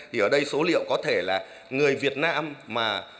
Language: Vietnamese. thì ở đây số liệu có thể là người việt nam mà